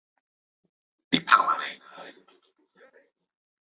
Τι πράμα να είναι άραγε τούτο που διαβαίνει;